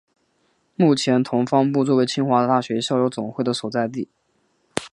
目前同方部作为清华大学校友总会的所在处。